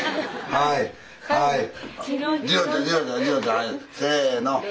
はいせの。